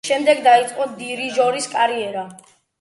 შემდეგ დაიწყო დირიჟორის კარიერა.